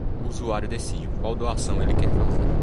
O usuário decide qual doação ele quer fazer.